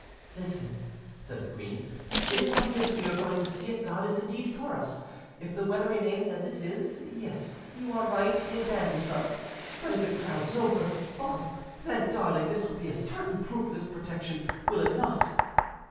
"Listen," said the queen; "it is by this we are going to see if God is indeed for us; if the weather remains as it is, yes, you are right, He abandons us; but if it clouds over, oh! then, darling, this will be a certain proof of His protection, will it not?"